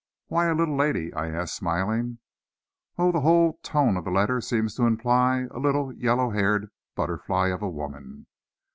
"Why a little lady?" I asked, smiling. "Oh, the whole tone of the letter seems to imply a little yellow haired butterfly of a woman."